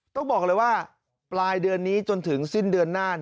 ต้องบอกเลยว่าปลายเดือนนี้จนถึงสิ้นเดือนหน้า